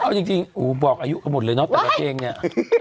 เอาจริงบอกอายุกันหมดเลยเนาะแต่ละเพลงเนี่ย